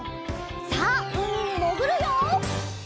さあうみにもぐるよ！